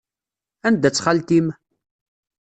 Anda-tt xalti-m?